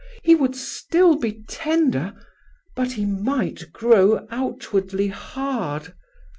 " He would still be tender "" But he might grow outwardly hard!"